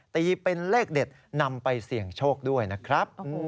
ตีเป็นเลขเด็ดนำไปเสี่ยงโชคด้วยนะครับ